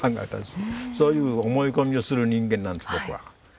そういう思い込みをする人間なんです僕は。